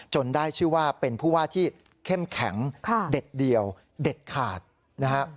ได้ชื่อว่าเป็นผู้ว่าที่เข้มแข็งเด็ดเดี่ยวเด็ดขาดนะฮะ